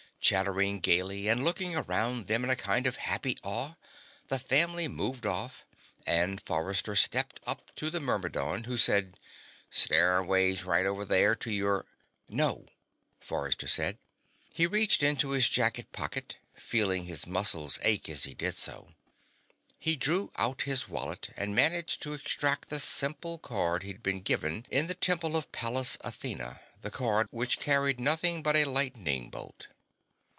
Chattering gaily, and looking around them in a kind of happy awe, the family group moved off and Forrester stepped up to the Myrmidon, who said: "Stairway's right over there to your " "No," Forrester said. He reached into his jacket pocket, feeling his muscles ache as he did so. He drew out his wallet and managed to extract the simple card he'd been given in the Temple of Pallas Athena, the card which carried nothing but a lightning bolt.